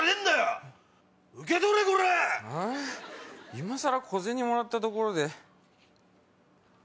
今更小銭もらったところで。